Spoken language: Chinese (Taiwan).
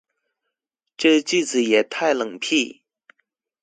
這句子也太冷僻